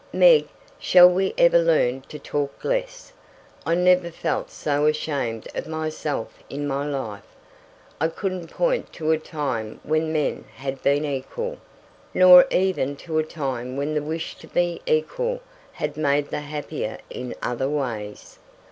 Meg, shall we ever learn to talk less? I never felt so ashamed of myself in my life. I couldn't point to a time when men had been equal, nor even to a time when the wish to be equal had made them happier in other ways.